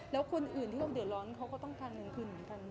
แล้วคนอื่นที่เขาเดือดร้อนเขาก็ต้องการเงินคืนเหมือนกัน